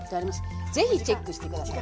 是非チェックして下さい。